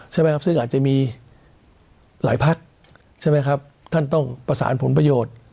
ใช่ไหมครับซึ่งอาจจะมีหลายพักใช่ไหมครับท่านต้องประสานผลประโยชน์